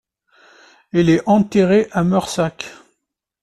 Il est enterré à Meursac.